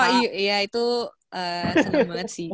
oh iya itu seneng banget sih